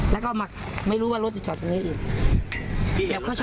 แล้วก็ไม่รู้ว่ารถจะจอดตรงนั้นอีกเดี๋ยวเขาจะรอ